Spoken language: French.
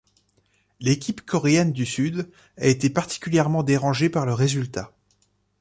L'équipe Coréenne du Sud a été particulièrement dérangée par le résultat.